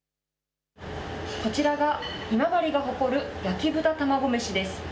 こちらが、今治が誇る焼豚玉子飯です。